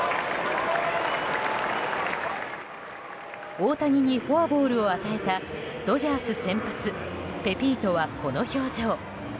大谷にフォアボールを与えたドジャース先発ペピートはこの表情。